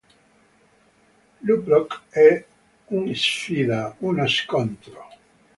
L'Uprock è un sfida, uno scontro.